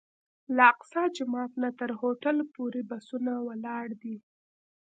له اقصی جومات نه تر هوټل پورې چې بسونه ولاړ دي.